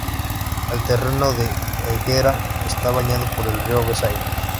El terreno de Helguera está bañado por el río Besaya.